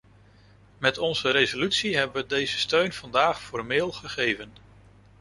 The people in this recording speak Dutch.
Met onze resolutie hebben we deze steun vandaag formeel gegeven.